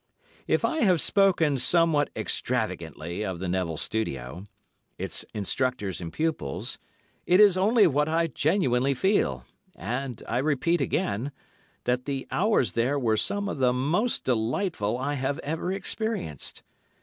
If I have spoken somewhat extravagantly of the Neville Studio, its instructors and pupils, it is only what I genuinely feel, and I repeat, again, that the hours there were some of the most delightful I have ever experienced.